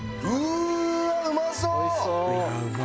うまそう！